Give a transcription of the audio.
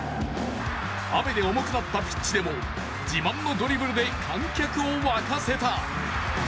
雨で重くなったピッチでも自慢のドリブルで観客を沸かせた。